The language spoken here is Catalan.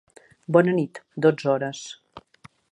Bona nit, dotze hores!